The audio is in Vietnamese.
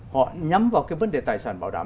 họ nhắm vào cái vấn đề tài sản bảo đảm